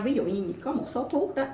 ví dụ như có một số thuốc